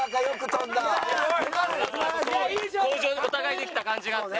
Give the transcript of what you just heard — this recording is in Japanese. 向上お互いできた感じがあって。